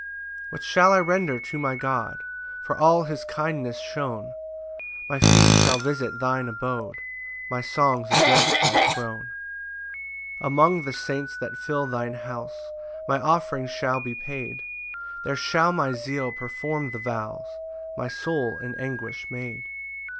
1 What shall I render to my God For all his kindness shown? My feet shall visit thine abode, My songs address thy throne. 2 Among the saints that fill thine house, My offerings shall be paid; There shall my zeal perform the vows My soul in anguish made.